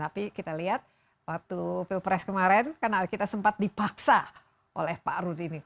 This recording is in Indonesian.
tapi kita lihat waktu pilpres kemarin karena kita sempat dipaksa oleh pak rudin